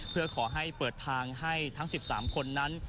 เพื่อขอให้เปิดทางให้ทั้ง๑๓คนนั้น